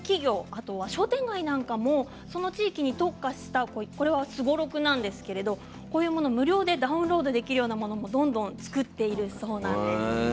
あとは商店街なんかもその地域に特化したこれは、すごろくなんですけれど無料でダウンロードできるようなものも、どんどん作っているそうなんです。